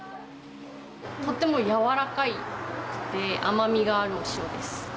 とってもやわらかくて甘みがあるお塩です。